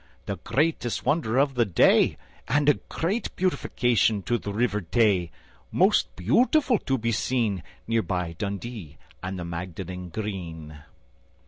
The greatest wonder of the day, And a great beautification to the River Tay, Most beautiful to be seen, Near by Dundee and the Magdalen Green.